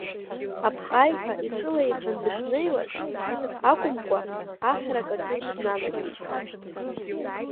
Апҟаҩҳәа иҿылеихан дышнеиуаз акәымкәа, аҳрак аҿы днанагеит.